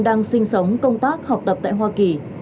đang sinh sống công tác học tập tại hoa kỳ